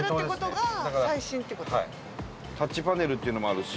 タッチパネルっていうのもあるし。